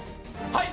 はい。